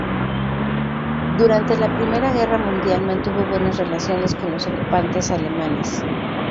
Durante la I Guerra Mundial mantuvo buenas relaciones con los ocupantes alemanes.